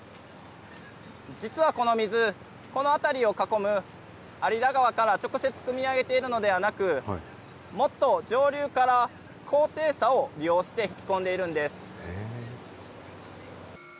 実はこの水この辺りを囲む有田川から直接くみ上げているのではなくもっと上流から高低差を利用して引き込んでいるんです。